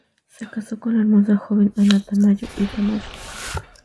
Se casó con la hermosa joven Ana Tamayo y Tamayo.